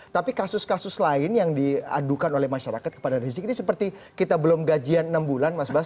tapi kasus kasus lain yang diadukan oleh masyarakat kepada rizik ini seperti kita belum gajian enam bulan mas bas